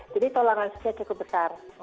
jadi toleran sekian cukup besar